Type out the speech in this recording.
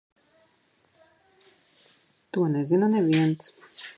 To nezina neviens.